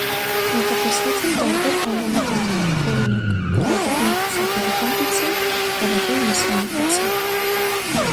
Նախատեսված են տարբեր անվանակարգեր՝ օրինակ՝ «լավագույն բուսակերական պիցցա», «լավագույն մսային պիցցա»։